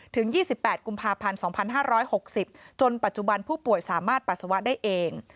ถึง๒๘กุมภาพันธ์๒๕๖๐จนปัจจุบันผู้ป่วยสามารถปัสสาวะได้เอง